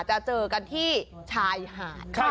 จะเจอกันที่ชายหาด